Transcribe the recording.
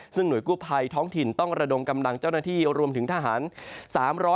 ซึ่งหน่วยกู้ภัยท้องถิ่นต้องระดมกำลังเจ้าหน้าที่รวมถึงทหาร